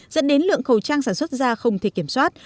dẫn đến lượng khẩu trang sản xuất ra không thể kiểm soát